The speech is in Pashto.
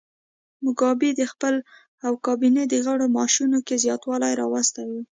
موګابي د خپل او کابینې د غړو معاشونو کې زیاتوالی راوستی و.